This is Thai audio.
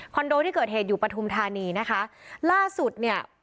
โดที่เกิดเหตุอยู่ปฐุมธานีนะคะล่าสุดเนี่ย